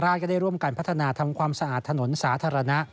ก็ได้ร่วมกันพัฒนาทำความสะอาดถนนสาธารณะ